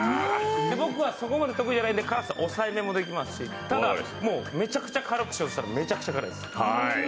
僕はそこまで得意じゃないので辛さ抑えめもできますしただ、めちゃくちゃ辛くしようとしたら、めちゃくちゃ辛いです。